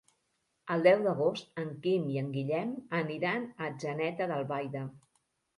El deu d'agost en Quim i en Guillem aniran a Atzeneta d'Albaida.